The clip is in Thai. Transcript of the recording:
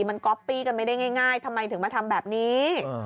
มันก๊อปปี้กันไม่ได้ง่ายทำไมถึงมาทำแบบนี้